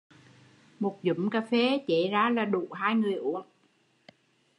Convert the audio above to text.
Một dúm cà phê chế ra là đủ hai nguời uống